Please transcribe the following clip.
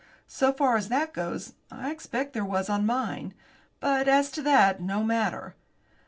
So far as that goes, I expect there was on mine but, as to that, no matter.